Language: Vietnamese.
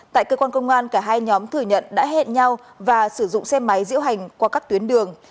tại cơ quan công an cả hai nhóm thừa nhận đã hẹn nhau và sử dụng xe máy diễu hành qua các tuyến đường